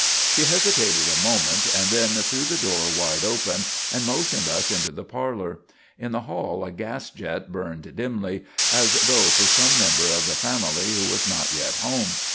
She hesitated a moment and then threw the door wide open and motioned us into the parlour. In the hall a gas jet burned dimly, as though for some member of the family who was not yet home.